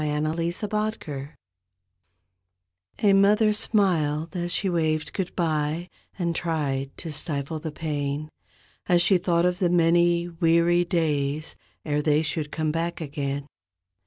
39 TWO MOTHERS A mother smiled as she waved goodbye And tried to stifle the pain As she thought of the many weary days Ere they should come back again.